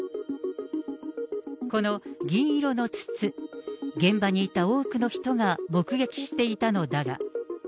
この銀色の筒、現場にいた多くの人が目撃していたのだが。